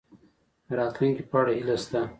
د راتلونکي په اړه هیله شته؟